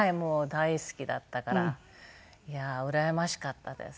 大好きだったからうらやましかったです。